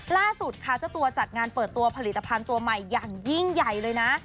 ล่าสุดค่ะเจ้าตัวจัดงานเปิดตัวผลิตภัณฑ์ตัวใหม่อย่างยิ่งใหญ่เลยนะ